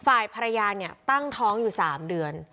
ฝ่ายภรรยาเนี่ยตั้งท้องอยู่๓เดือน